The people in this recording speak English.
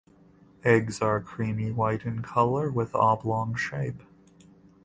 Eggs are creamy white in color with oblong shape.